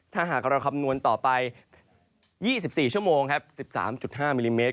ถ้าหากเราคำนวณต่อไป๒๔ชั่วโมงครับ๑๓๕มิลลิเมตร